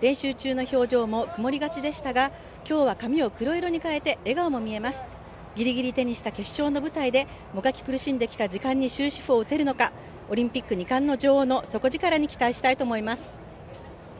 練習中の表情も曇りがちでしたが、今日は髪を黒色に変えてギリギリ手にした決勝の舞台でもがき苦しんできたときに終止符を打てるのか、オリンピック２冠の女王の底力に期待したいと思います。